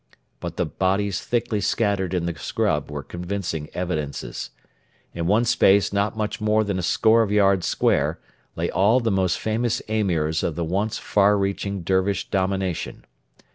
But the bodies thickly scattered in the scrub were convincing evidences. In one space not much more than a score of yards square lay all the most famous Emirs of the once far reaching Dervish domination.